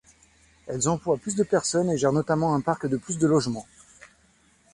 Elles emploient plus de personnes et gèrent notamment un parc de plus de logements.